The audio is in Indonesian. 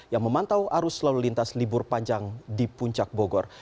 yang memantau arus lalu lintas libur panjang di puncak bogor